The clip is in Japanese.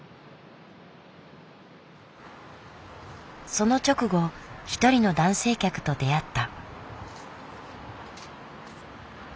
その直後一人の男性客と出会った。